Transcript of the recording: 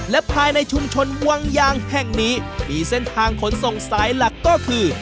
และภายในชุมชนวังยางแห่งนี้มีเส้นทางขนส่งสายหลักก็คือ